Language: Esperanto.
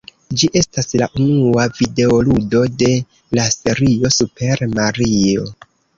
Ĝi estas la unua videoludo de la serio "Super Mario".